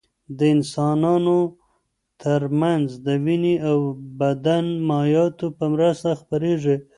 د انسانانو تر منځ د وینې او بدن مایعاتو په مرسته خپرېږي.